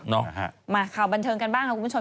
มาข่าวบันเทิงกันบ้างค่ะคุณผู้ชม